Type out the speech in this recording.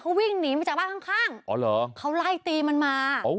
เขาวิ่งหนีไปจากบ้านข้างเขาไล่ตีมันมา